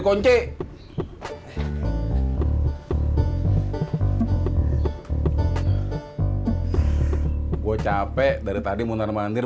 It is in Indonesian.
kunci gue capek dari tadi munar manir